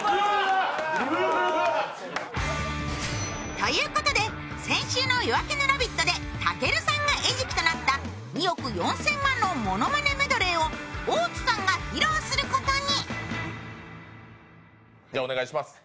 ということで先週の「夜明けのラヴィット！」でたけるさんが餌食となった２億４千万のものまねメドレーを大津さんが披露することに。